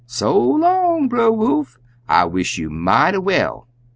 So long, Brer Wolf; I wish you mighty well!'